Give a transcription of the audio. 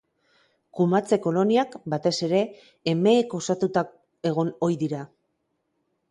Kumatze-koloniak, batez ere, emeek osatuta egon ohi dira.